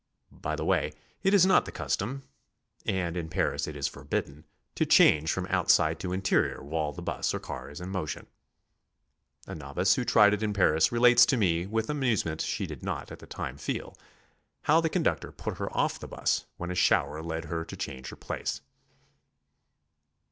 By the way, it is not the cus tom, and in Paris it is forbidden, to change from outside to interior while the bus or car is in motion. A novice who tried it in Paris relates to me with an amusement she did not at the time feel, how the conductor put her off the bus when a shower led her to change her place.